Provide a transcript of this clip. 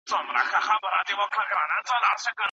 ایا ته د دې داستان د هرې پېښې مانا ته متوجه یې؟